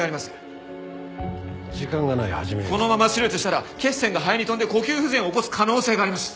このまま手術したら血栓が肺に飛んで呼吸不全を起こす可能性があります。